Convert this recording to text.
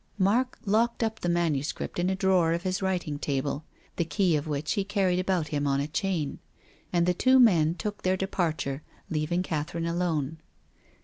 Mark locked up the manuscript in a drawer of his writing table, the key of which he carried about him on a chain. And the two men took their departure, leaving Catherine alone.